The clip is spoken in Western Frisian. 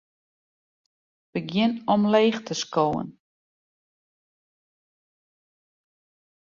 Begjin omleech te skowen.